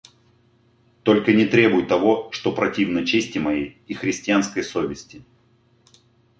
Только не требуй того, что противно чести моей и христианской совести.